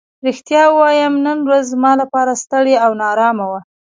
رښتیا ووایم نن ورځ زما لپاره ستړې او نا ارامه وه.